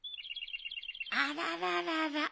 あらららら。